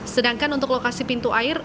sedangkan untuk lokasi pintu air